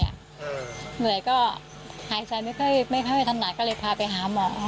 เหนื่อยก็หายใจไม่ค่อยถนัดก็เลยพาไปหาหมอ